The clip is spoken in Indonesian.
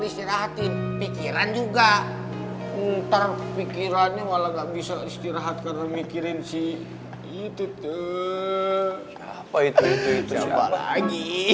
istirahatin pikiran juga ntar pikirannya malah gak bisa istirahat karena mikirin si itu tuh siapa itu itu siapa itu siapa lagi